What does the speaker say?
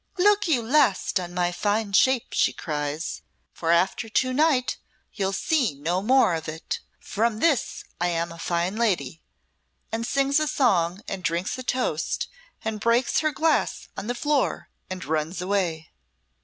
"'Look your last on my fine shape,' she cries, 'for after to night you'll see no more of it. From this I am a fine lady,' and sings a song and drinks a toast and breaks her glass on the floor and runs away."